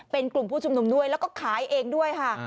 เป็นกลุ่มผู้ชุมนุมด้วยแล้วก็ขายเองด้วยค่ะ